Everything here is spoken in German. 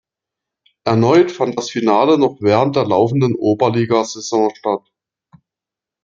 Erneut fand das Finale noch während der laufenden Oberliga-Saison statt.